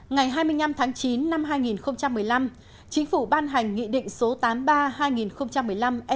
ngày hai mươi năm tháng chín năm hai nghìn một mươi năm chính phủ ban hành nghị định số tám mươi ba hai nghìn một mươi năm ndcp quy định về đầu tư ra nước ngoài